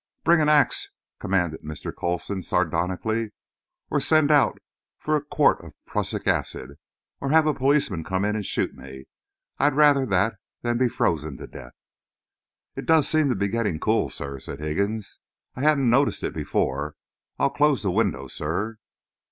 "Bring an axe," commanded Mr. Coulson, sardonically, "or send out for a quart of prussic acid, or have a policeman come in and shoot me. I'd rather that than be frozen to death." "It does seem to be getting cool, Sir," said Higgins. "I hadn't noticed it before. I'll close the window, Sir."